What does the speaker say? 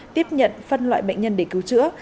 tiếp nhận phân loại bệnh nhân để cứu chữa